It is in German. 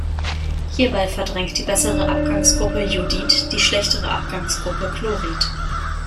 Hierbei verdrängt die bessere Abgangsgruppe Iodid die schlechtere Abgangsgruppe Chlorid.